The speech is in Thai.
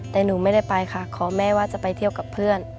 แต่หนูไม่ได้ไปค่ะขอแม่ว่าจะไปเที่ยวกับเพื่อน